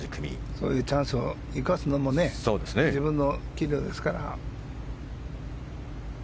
そういうチャンスを生かすのも自分の器量ですから。